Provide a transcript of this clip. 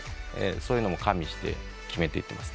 そういうのも加味して決めていってますね。